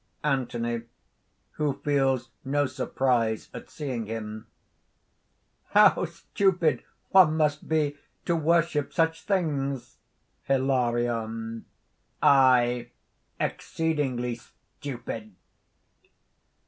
_) ANTHONY (who feels no surprise at seeing him). "How stupid one must be to worship such things!" HILARION. "Aye! exceedingly stupid!"